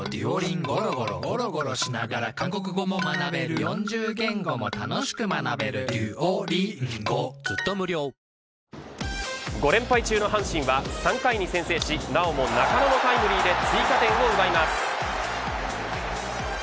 日本ハム万波がリーグトップ独走の５連敗中の阪神は３回に先制しなおも中野のタイムリーで追加点を奪います。